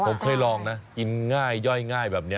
ผมเคยลองนะกินง่ายย่อยง่ายแบบนี้